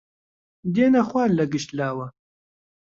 دێنە خوار لە گشت لاوە